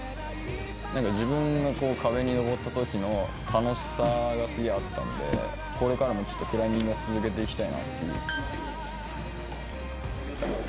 なんか自分がこう、壁に登ったときの楽しさがすげーあったんで、これからもちょっとクライミングを続けていきたいなっていう。